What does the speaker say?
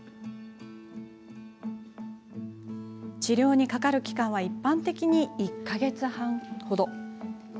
治療にかかる期間は一般的に１か月半。